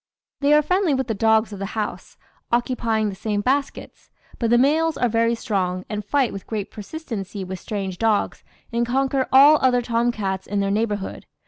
"They are friendly with the dogs of the house, occupying the same baskets; but the males are very strong, and fight with great persistency with strange dogs, and conquer all other tom cats in their neighbourhood.